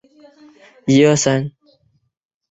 指形角壳灰介为半花介科角壳灰介属下的一个种。